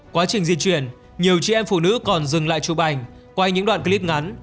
quá trình di chuyển nhiều chị em phụ nữ còn dừng lại chụp ảnh quay những đoạn clip ngắn